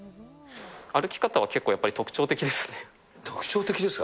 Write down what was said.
歩き方は結構やっぱり特徴的特徴的ですか。